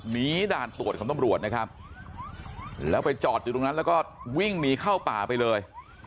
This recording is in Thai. ด่านตรวจของตำรวจนะครับแล้วไปจอดอยู่ตรงนั้นแล้วก็วิ่งหนีเข้าป่าไปเลย